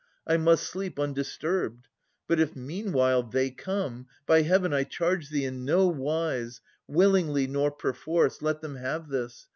I must sleep undisturbed. But if meanwhile They come, — by Heaven I charge thee, in no wise, Willingly nor perforce, let them have this